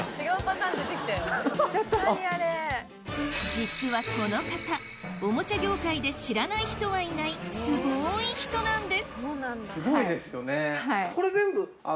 実はこの方おもちゃ業界で知らない人はいないすごい人なんですすごいですよねこれ。